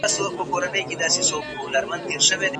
ډاکټر میلرډ وايي، دوی په ورو حرکت کوي.